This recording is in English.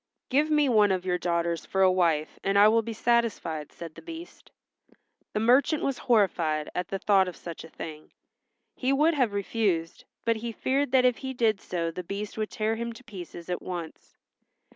"Give me one of your daughters for a wife and I will be satisfied," said the Beast. The merchant was horrified at the thought of such a thing. He would have refused, but he feared that if he did so the Beast would tear him to pieces at once.